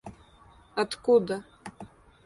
откуда